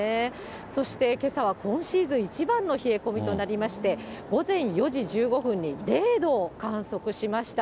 そしてけさは今シーズン一番の冷え込みとなりまして、午前４時１５分に０度を観測しました。